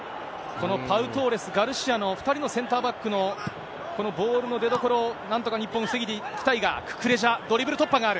このパウ・トーレス、ガルシアの２人のセンターバックのこのボールの出どころを、なんとか日本、防いでいきたいが、ククレジャ、ドリブル突破がある。